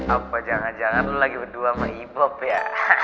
apa jangan jangan lo lagi berdua sama ibu ya